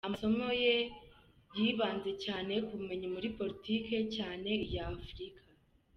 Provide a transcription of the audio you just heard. Amasomo ye yibanze cyane ku bumenyi muri Politiki cyane iya Afurika.